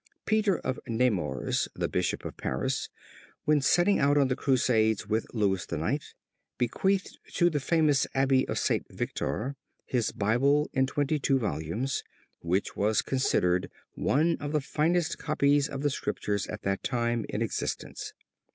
Peter of Nemours, the Bishop of Paris, when setting out on the crusades with Louis IX. bequeathed to the famous Abbey of St. Victor, his Bible in 22 volumes, which was considered one of the finest copies of the scriptures at that time in existence.